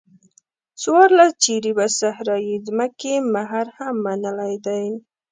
څوارلس جریبه صحرایي ځمکې مهر هم منلی دی.